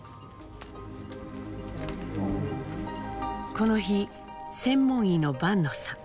この日専門医の坂野さん